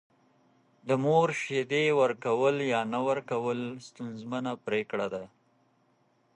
د مور شیدې ورکول یا نه ورکول ستونزمنه پرېکړه ده.